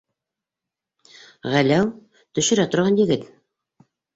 Ғәләү - төшөрә торған егет.